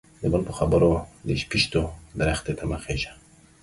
د بل په خبرو د شپيشتو درختي ته مه خيژه.